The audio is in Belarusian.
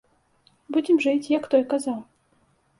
Будзем жыць, як той казаў.